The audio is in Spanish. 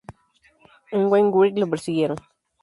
E. Wainwright, lo persiguieron.